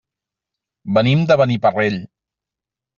Venim de Beniparrell.